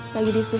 lagi di surga